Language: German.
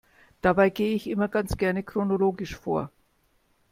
Dabei gehe ich immer ganz gerne chronologisch vor.